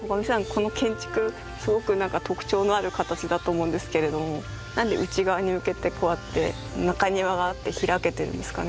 この建築すごくなんか特徴のある形だと思うんですけれどもなんで内側に向けてこうやって中庭があって開けてるんですかね。